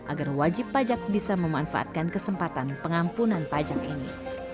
agar wajib pajak bisa memanfaatkan kesempatan pengampunan pajak ini